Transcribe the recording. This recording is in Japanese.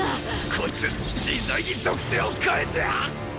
こいつ自在に属性を変えて！